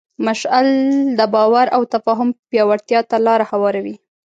مشعل د باور او تفاهم پیاوړتیا ته لاره هواروي.